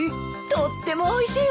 とってもおいしいわ！